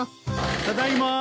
ただいまー。